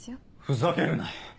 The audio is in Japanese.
ふざけるな！